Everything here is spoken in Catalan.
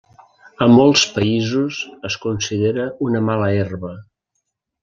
A molts països es considera una mala herba.